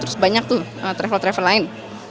terus banyak tuh travel travel lain